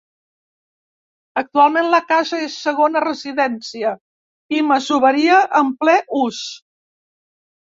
Actualment la casa és segona residència i masoveria en ple ús.